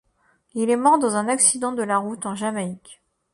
Il est mort dans un accident de la route en Jamaïque.